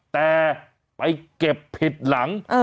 แต่ไปเก็บผิดหลัง